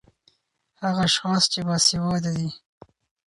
هغه اشحاص چې باسېواده دي